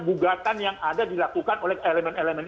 gugatan yang ada dilakukan oleh elemen elemen